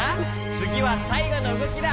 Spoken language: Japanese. つぎはさいごのうごきだ。